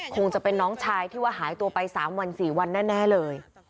คงจะเป็นน้องชายที่ว่าหายตัวไป๓วัน๔วันแน่เลย